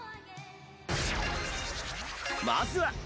まずは。